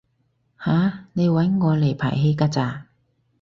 吓？你搵我嚟排戲㗎咋？